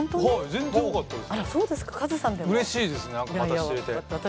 全然多かったです。